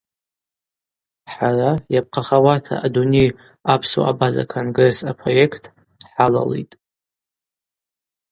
Хӏара йапхъахауата Адуней апсуа-абаза конгресс апроект хӏалалитӏ.